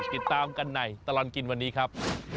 ติดตามกันในตลอดกินวันนี้ครับ